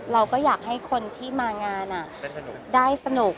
เราก็อยากให้คนที่มางานได้สนุก